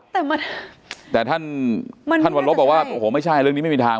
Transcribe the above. แต่ท่านท่านวันลบบอกว่าโอ้โหไม่ใช่เรื่องนี้ไม่มีทาง